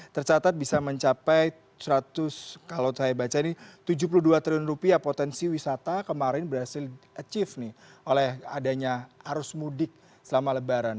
tercatat bisa mencapai seratus kalau saya baca ini tujuh puluh dua triliun rupiah potensi wisata kemarin berhasil di achieve nih oleh adanya arus mudik selama lebaran